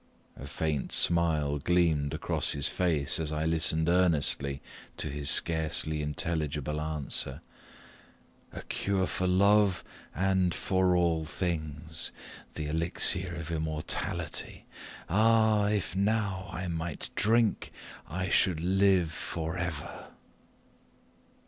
A faint smile gleamed across his face as I listened earnestly to his scarcely intelligible answer. "A cure for love and for all things the Elixir of Immortality. Ah! if now I might drink, I should live for ever!"